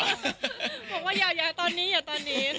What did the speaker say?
ผมว่าอย่าตอนนี้ไม่ตอนนี้ค่ะ